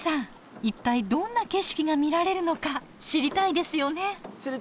一体どんな景色が見られるのか知りたいですよね？